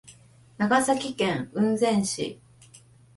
長崎県雲仙市